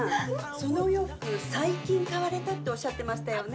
そのお洋服最近買われたっておっしゃってましたよね？